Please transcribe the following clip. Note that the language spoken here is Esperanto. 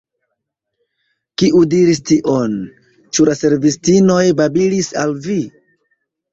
Kiu diris tion? Ĉu la servistinoj babilis al vi?